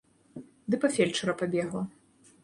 Ды па фельчара пабегла.